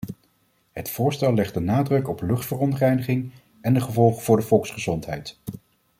Het voorstel legt de nadruk op luchtverontreiniging en de gevolgen voor de volksgezondheid.